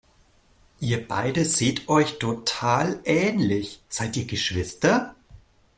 Ihr beide seht euch total ähnlich, seid ihr Geschwister?